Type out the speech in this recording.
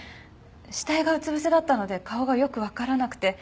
死体がうつ伏せだったので顔がよくわからなくて。